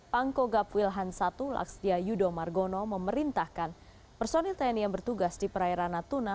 pangkogap wilhan i laksdia yudho margono memerintahkan personil tni yang bertugas di perairan natuna